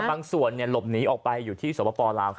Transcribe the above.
บางส่วนหลบหนีออกไปอยู่ที่สวปปลาว